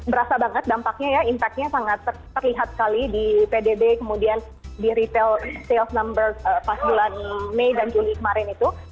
berasa banget dampaknya ya impactnya sangat terlihat sekali di pdb kemudian di retail sales numbers pas bulan mei dan juni kemarin itu